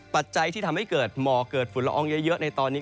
ปัจจัยที่ทำให้เกิดหมอกเกิดฝุ่นละอองเยอะในตอนนี้